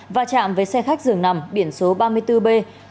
va chạm với xe khách dường nằm biển số ba mươi bốn b hai nghìn tám trăm chín mươi sáu